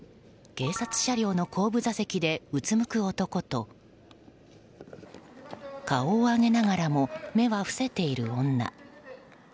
警察車両の後部座席でうつむく男と顔を上げながらも目は伏せている女。